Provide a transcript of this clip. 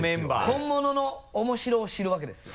本物のオモシロを知るわけですよ。